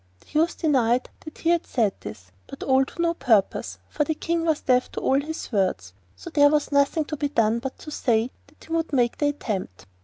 The youth denied that he had said this, but all to no purpose, for the King was deaf to all his words; so there was nothing to be done but say that he would make the attempt.